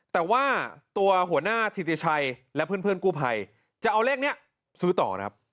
แต่ว่าตัวหัวหน้าธิติชัยและเพื่อนกู้ภัยจะเอาเลขนี้ซื้อต่อครับ